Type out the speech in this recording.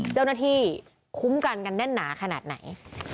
เจ้าหน้าที่คุ้มกันกันแน่นหนาขนาดไหน